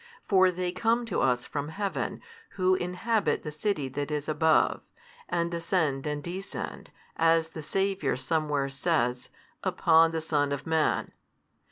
For they come to us from heaven who inhabit the city that is above, and ascend and descend, as the Saviour somewhere says, upon the Son of man.